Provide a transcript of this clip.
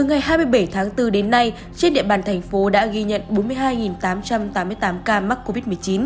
từ ngày hai mươi bảy tháng bốn đến nay trên địa bàn thành phố đã ghi nhận bốn mươi hai tám trăm tám mươi tám ca mắc covid một mươi chín